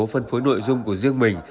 phân phối nội dung của riêng mình